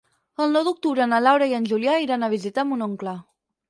El nou d'octubre na Laura i en Julià iran a visitar mon oncle.